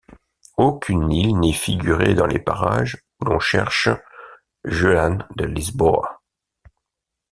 Aucune île n'est figurée dans les parages où l'on cherche Juan de Lisboa.